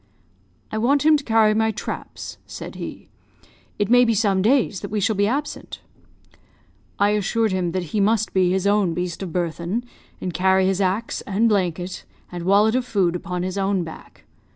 "'I want him to carry my traps,' said he; 'it may be some days that we shall be absent.' "I assured him that he must be his own beast of burthen, and carry his axe, and blanket, and wallet of food upon his own back.